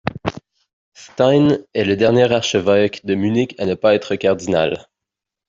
Stein est le dernier archevêque de Munich à ne pas être cardinal.